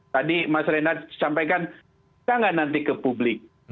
tadi mas renat sampaikan bisa nggak nanti ke publik